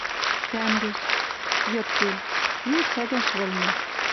Кӓнгӹж. Йыдпел. Киэт шӓгӓш вӹлнӹ